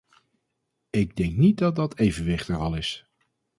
Ik denk niet dat dat evenwicht er al is.